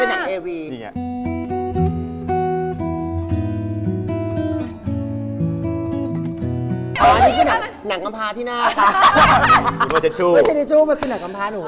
มันไม่ใช่เทชูมันคือหนักกำพาหนู